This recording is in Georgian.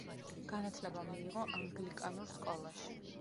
განათლება მიიღო ანგლიკანურ სკოლაში.